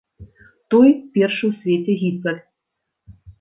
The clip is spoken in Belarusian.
Той першы ў свеце гіцаль!